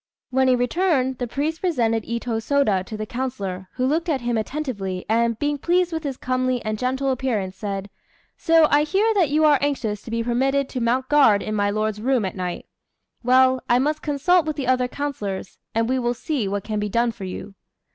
When he returned, the priest presented Itô Sôda to the councillor, who looked at him attentively, and, being pleased with his comely and gentle appearance, said "So I hear that you are anxious to be permitted to mount guard in my lord's room at night. Well, I must consult with the other councillors, and we will see what can be done for you."